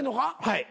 はい。